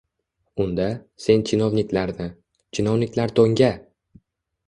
— Unda, sen chinovniklarni..! Chinovniklar to‘nka!